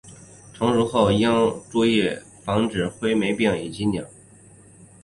成熟后应注意防治灰霉病以及鸟。